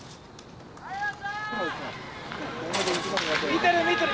見てる見てる。